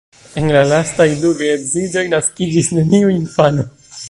En la lastaj du geedziĝoj naskiĝis neniu infano.